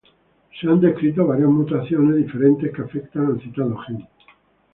Se han descrito varias mutaciones diferentes que afectan al citado gen.